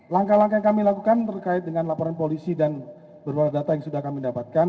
langkah langkah yang kami lakukan terkait dengan laporan polisi dan beberapa data yang sudah kami dapatkan